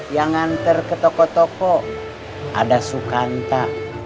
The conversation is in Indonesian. yang nganter ke toko toko ada sukanta